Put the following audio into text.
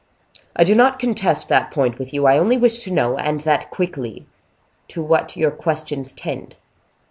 "I do not contest that point with you; I only wish to know, and that quickly, to what your questions tend?"